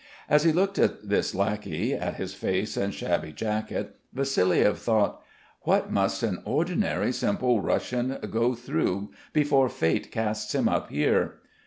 As he looked at this lackey, at his face and shabby jacket, Vassiliev thought: "What must an ordinary simple Russian go through before Fate casts him up here?